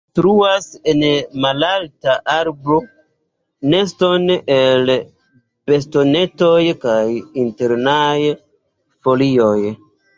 Ili konstruas en malalta arbo neston el bastonetoj kaj internaj folioj.